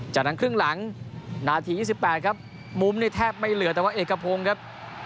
จากนั้นครึ่งหลังนาที๒๘ครับมุมนี่แทบไม่เหลือแต่ว่าเอกพงศ์ครับ